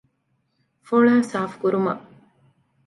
ފޮޅައި ސާފުކުރުމަށް